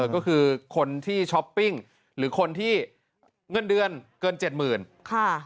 ก็คือคนที่ช็อปปิ้งหรือคนที่เงื่อนเดือนเกิน๗๐๐๐๐บาท